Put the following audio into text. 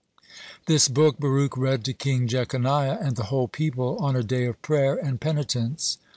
This book Baruch read to King Jeconiah and the whole people on a day of prayer and penitence.